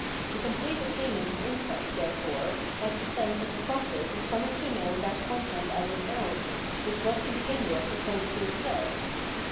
The complete attainment of insight, therefore, has the sense of a process of coming to know that content as its own, which was to begin with opposed to itself.